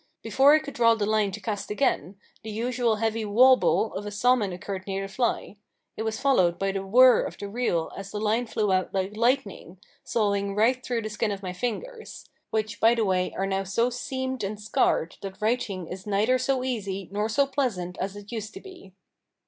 Before I could draw the line to cast again, the usual heavy wauble of a salmon occurred near the fly. It was followed by the whir of the reel as the line flew out like lightning, sawing right through the skin of my fingers, (which by the way are now so seamed and scarred that writing is neither so easy nor so pleasant as it used to be).